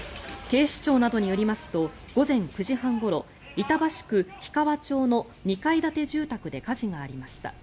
警視庁などによりますと午前９時半ごろ板橋区氷川町の２階建て住宅で火事がありました。